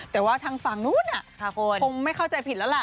แต่ว่าทางฝั่งนู้นคงไม่เข้าใจผิดแล้วล่ะ